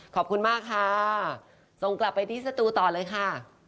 ขอบคุณมากค่ะส่งกลับไปที่สตูต่อเลยค่ะ